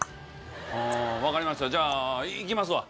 分かりました、じゃあ、行きますわ。